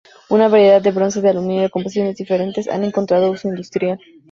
Una variedad de bronces de aluminio, de composiciones diferentes, han encontrado uso industrial.